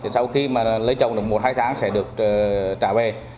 sau khi mà lấy chồng được một hai tháng sẽ được trả về